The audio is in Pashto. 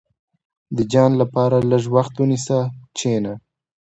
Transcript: • د ځان لپاره لږ وخت ونیسه، کښېنه.